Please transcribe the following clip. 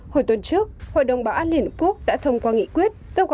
hồi tuần trước hội đồng báo án liên hợp quốc đã thông qua nghị quyết